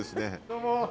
どうも！